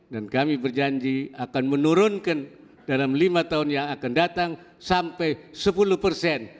dan kami berjanji akan menurunkan dalam lima tahun yang akan datang sampai sepuluh persen